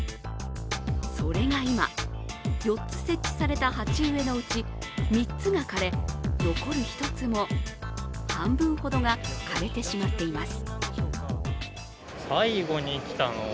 それが今、４つ設置された鉢植えのうち、３つが枯れ残る１つも半分ほどが枯れてしまっています。